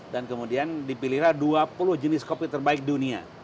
dan kemudian dipilihlah dua puluh jenis kopi terbaik dunia